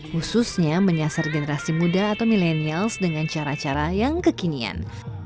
khususnya menyasar generasi muda atau milenials dengan cara cara yang kekinian